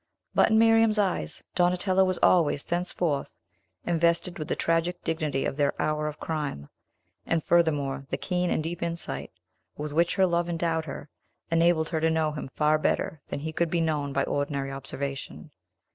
But, in Miriam's eyes, Donatello was always, thenceforth, invested with the tragic dignity of their hour of crime; and, furthermore, the keen and deep insight, with which her love endowed her, enabled her to know him far better than he could be known by ordinary observation.